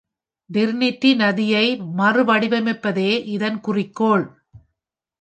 Trinity நதியை மறுவடிவமைப்பதே இதன் குறிக்கோள்.